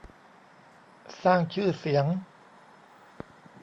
สร้างชื่อเสียง